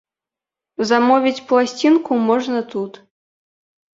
Замовіць пласцінку можна тут.